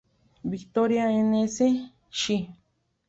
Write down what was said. Victoria" n.s., xxii.